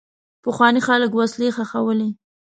پخواني خلک وسلې ښخولې.